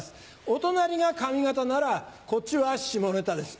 お隣が上方ならこっちは下ネタです。